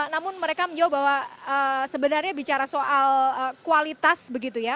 namun mereka menjawab bahwa sebenarnya bicara soal kualitas begitu ya